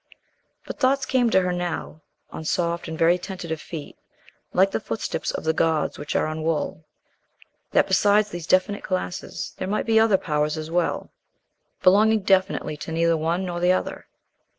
But thoughts came to her now, on soft and very tentative feet, like the footsteps of the gods which are on wool, that besides these definite classes, there might be other Powers as well, belonging definitely to neither one nor other.